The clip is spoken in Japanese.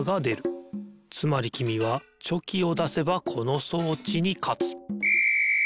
つまりきみはチョキをだせばこの装置にかつピッ！